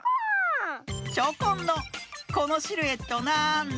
チョコンの「このシルエットなんだ？」